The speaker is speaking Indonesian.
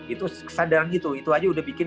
itu kesadaran itu itu aja udah bikin